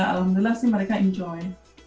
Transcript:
alhamdulillah sih mereka enjoy